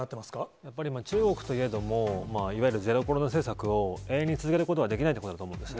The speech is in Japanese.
やっぱり中国といえども、いわゆるゼロコロナ政策を永遠に続けることはできないことだと思うんですね。